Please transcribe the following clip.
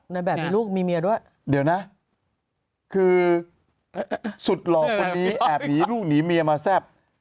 ในแบบมีลูกมีเมียด้วยเดี๋ยวนะคือสุดหล่อคนนี้แอบหนีลูกหนีเมียมาแซ่บ